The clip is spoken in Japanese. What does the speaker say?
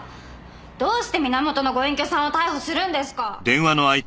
どうして源のご隠居さんを逮捕するんですか？